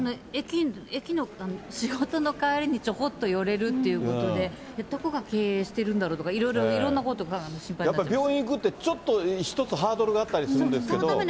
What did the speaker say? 駅の、仕事の帰りにちょこっと寄れるということで、どこが経営してるんだろうとか、いろいろ、いろんなこと心配にな病院行くって、ちょっと一つハードルがあったりするんですけど。